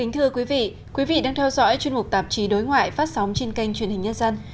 thưa quý vị quý vị đang theo dõi chuyên mục tạp chí đối ngoại phát sóng trên kênh truyền hình nhân dân